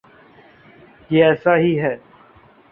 یہ ایسا ہی ہے۔